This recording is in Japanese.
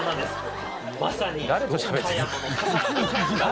誰としゃべって。